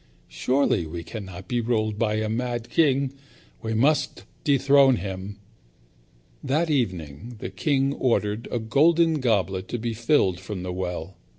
Surely we cannot be ruled by a mad king. We must dethrone him." That evening the king ordered a golden goblet to be filled from the well.